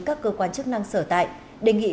các cơ quan chức năng sở tại đề nghị